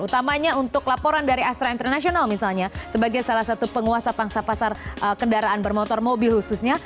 utamanya untuk laporan dari astra international misalnya sebagai salah satu penguasa pangsa pasar kendaraan bermotor mobil khususnya